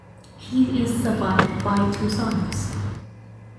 He is survived by two sons.